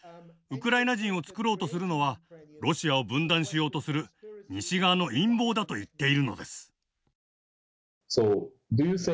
ウクライナ人を作ろうとするのはロシアを分断しようとする西側の陰謀だと言っているのです。